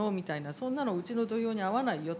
そんなのうちの土俵に合わないよと。